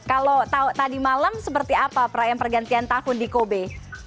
kalau tadi malam seperti apa perayaan pergantian tahun di kobe